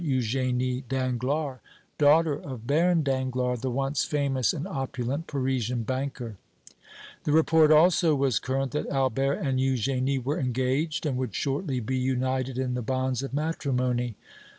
Eugénie Danglars, daughter of Baron Danglars, the once famous and opulent Parisian banker; the report also was current that Albert and Eugénie were engaged and would shortly be united in the bonds of matrimony.